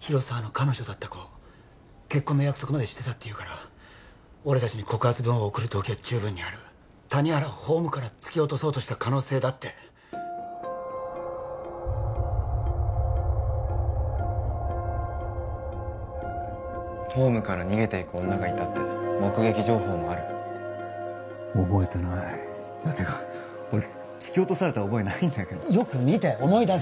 広沢の彼女だった子結婚の約束までしてたっていうから俺達に告発文を送る動機は十分にある谷原をホームから突き落とそうとした可能性だってホームから逃げていく女がいたって目撃情報もある覚えてないてか俺突き落とされた覚えないんだけどよく見て思い出せない？